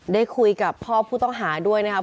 ได้คุยกับพ่อผู้ต้องหาด้วยนะครับ